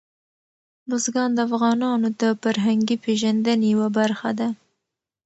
بزګان د افغانانو د فرهنګي پیژندنې یوه برخه ده.